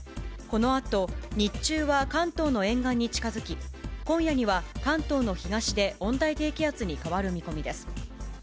このあと日中は関東の沿岸に近づき、今夜には関東の東で温帯低気圧に変わる見込みです。